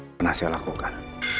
kena saya lakukan